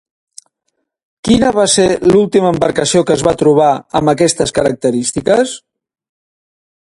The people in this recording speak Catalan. Quina va ser l'última embarcació que es va trobar amb aquestes característiques?